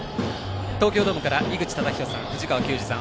東京ドームから井口資仁さん、藤川球児さん